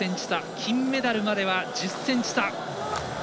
金メダルまでは１０ｃｍ差。